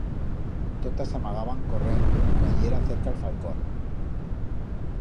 Totas s'amagaban corrend cuan yera cerca el falcón.